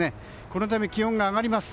このため、気温が上がります。